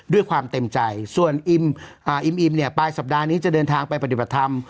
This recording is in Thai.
ด้วยความเต็มใจส่วนอิมเนี่ยปลายสัปดาห์นี้จะเดินทางไปปฏิบัติธรรม